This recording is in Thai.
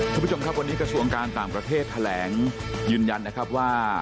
คุณผู้ชมครับวันนี้กระทรวงการต่างประเทศแถลงยืนยันนะครับว่า